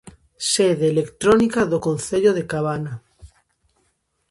Sede electrónica do concello de Cabana.